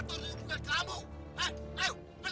ini tidak manusiawi